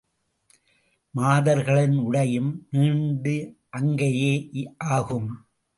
மாதர்களின் உடையும் நீண்ட அங்கியே ஆகும்.